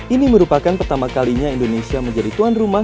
ini merupakan pertama kalinya indonesia menjadi tuan rumah